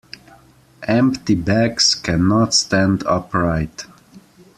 Empty bags cannot stand upright.